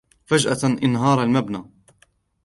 فجأة انهار المبنى.